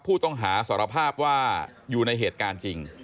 ผู้ต้องหาสารภาพว่าอยู่ในเหตุการณ์จริง